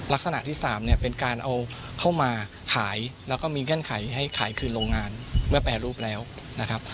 ลักษณะที่๓เนี่ยเป็นการเอาเข้ามาขายแล้วก็มีเงื่อนไขให้ขายคืนโรงงานเมื่อแปรรูปแล้วนะครับ